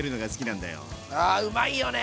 あうまいよね。